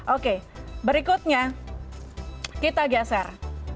oke berikutnya kita geser